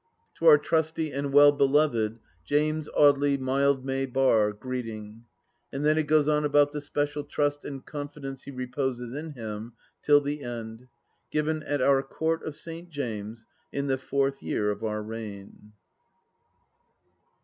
" To our trusty and well beloved James Audely Mildmay Bar, Greeting." And then it goes on about the special trust and confidence he reposes in him, till the end: " Given at Our Court of St. James, in the fourth year of our reign."